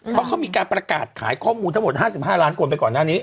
เพราะเขามีการประกาศขายข้อมูลทั้งหมด๕๕ล้านคนไปก่อนหน้านี้